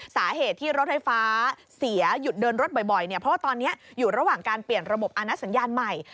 สาเหตุที่รถไฟฟ้าเสียหยุดเดินรถบ่อยเนี่ยเพราะว่าตอนนี้อยู่ระหว่างการเปลี่ยนระบบอาณสัญญาณใหม่